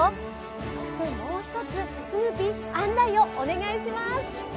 そしてもう一つ、スヌーピー、案内をお願いします。